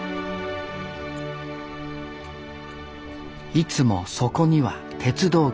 いつもそこには鉄道橋。